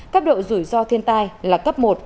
cấp độ rủi ro thiên tai là cấp một